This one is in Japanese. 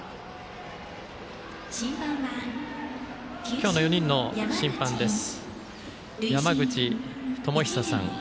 今日の４人の審判です。